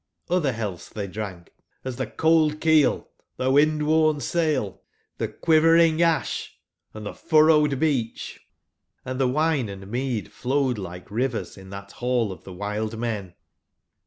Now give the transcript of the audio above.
Other healths they drank, as the^'Cold Keel/' the ^'CQind wom Sail/' the'' Quivering Hsh/'and the '' furrow ed Beach/' Hnd the wine and mead flowed like rivers in that hall of the (Hild )Vlen.